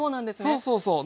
そうそうそう。